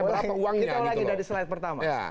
kita lagi dari slide pertama